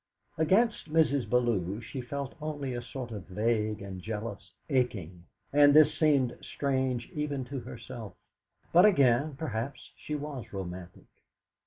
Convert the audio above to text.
Against Mrs. Bellew she felt only a sort of vague and jealous aching; and this seemed strange even to herself but, again, perhaps she was romantic.